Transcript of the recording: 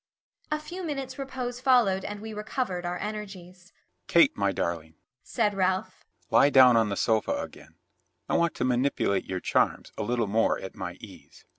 A few minutes' repose followed and we recovered our energies. "Kate, my darling," said Ralph, "lie down on the sofa again, I want to manipulate your charms a little more at my ease.